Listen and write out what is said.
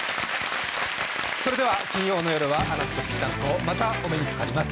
それでは金曜の夜はあなたとぴったんこまたお目にかかります